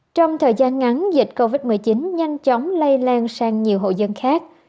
trong thời gian ngắn dịch covid một mươi chín nhanh chóng lây lan sang nhiều hộ dân khác